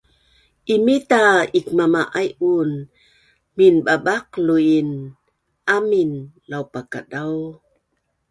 Imita ikmama’aiun minbabaqluin amin laupakadau